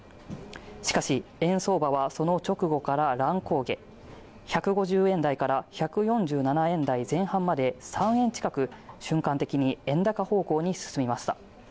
しかし円相場はその直後から乱高下１５０円台から１４７円台前半まで３円近く瞬間的に円高方向に進みました